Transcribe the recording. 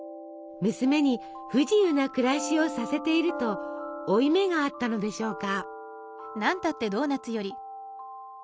娘に不自由な暮らしをさせていると負い目があったのでしょうか。